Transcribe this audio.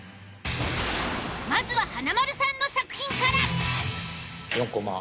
まずは華丸さんの作品から。